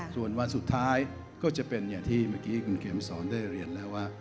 ส่วนวันสุดท้ายก็จะเป็นอย่างที่เมื่อกี้คุณเข็มสอนได้เรียนแล้วว่า